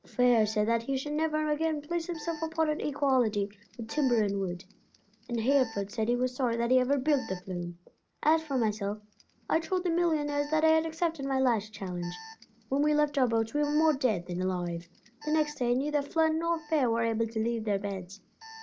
Fair said that he should never again place himself upon an equality with timber and wood, and Hereford said he was sorry that he ever built the flume. As for myself, I told the millionaires that I had accepted my last challenge. When we left our boats we were more dead than alive. The next day neither Flood nor Fair were able to leave their beds.